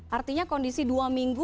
artinya kondisi dua minggu